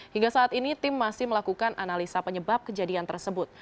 hingga saat ini tim masih melakukan analisa penyebab kejadian tersebut